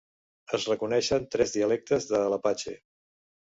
Es reconeixen tres dialectes de l'apatxe.